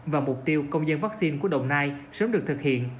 và mục tiêu công dân vaccine của đồng nai sớm được thực hiện